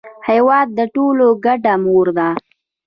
هېواد د ټولو ګډه مور ده.